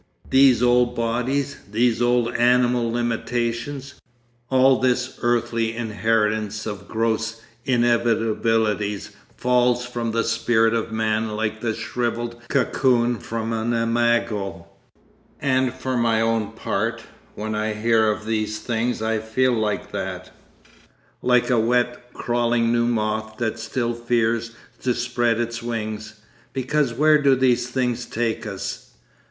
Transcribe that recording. These old bodies, these old animal limitations, all this earthly inheritance of gross inevitabilities falls from the spirit of man like the shrivelled cocoon from an imago. And for my own part, when I hear of these things I feel like that—like a wet, crawling new moth that still fears to spread its wings. Because where do these things take us?